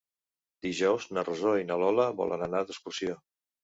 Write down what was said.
Dijous na Rosó i na Lola volen anar d'excursió.